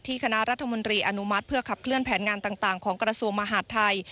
คณะรัฐมนตรีอนุมัติเพื่อขับเคลื่อนแผนงานต่างของกระทรวงมหาดไทย